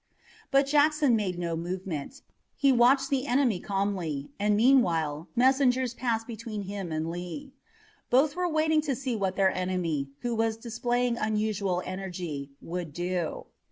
But Jackson made no movement. He watched the enemy calmly, and meanwhile messengers passed between him and Lee. Both were waiting to see what their enemy, who was displaying unusual energy, would do.